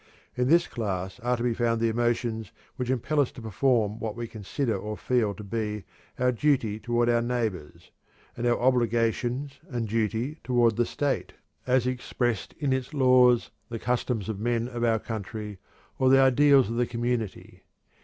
In this class are found the emotions which impel us to perform what we consider or feel to be our duty toward our neighbors, and our obligations and duty toward the state, as expressed in its laws, the customs of men of our country, or the ideals of the community.